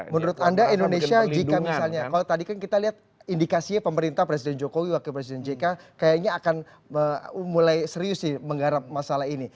menurut anda indonesia jika misalnya kalau tadi kan kita lihat indikasinya pemerintah presiden jokowi wakil presiden jk kayaknya akan mulai serius sih menggarap masalah ini